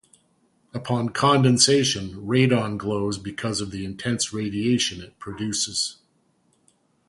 Upon condensation, radon glows because of the intense radiation it produces.